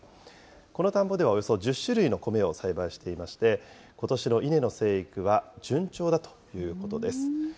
この田んぼではおよそ１０種類の米を栽培していまして、ことしの稲の生育は順調だということです。